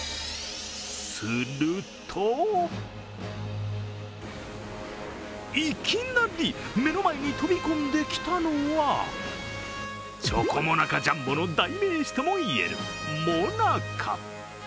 するといきなり目の前に飛び込んできたのはチョコモナカジャンボの代名詞ともいえるモナカ。